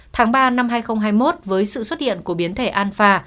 tháng ba năm hai nghìn hai mươi một với sự xuất hiện của biến thể alpha